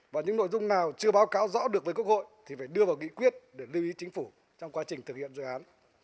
và những nội dung nào chưa báo cáo rõ được với quốc hội thì phải đưa vào nghị quyết để lưu ý chính phủ trong quá trình thực hiện dự án